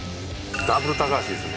ダブル高橋ですね。